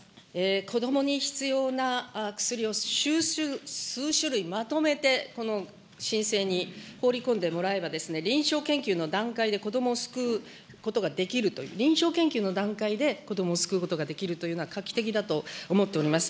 子どもに必要な薬を数種類まとめて申請に放り込んでもらえば、臨床研究の段階で子どもを救うことができるという、臨床研究の段階で子どもを救うことができるというのは、画期的だと思っております。